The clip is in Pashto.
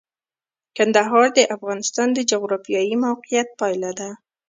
کندهار د افغانستان د جغرافیایي موقیعت پایله ده.